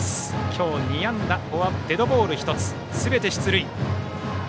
今日、２安打、デッドボール１つすべて出塁。